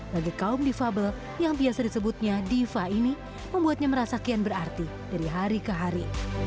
bagi kaum difabel yang biasa disebutnya diva ini membuatnya merasa kian berarti dari hari ke hari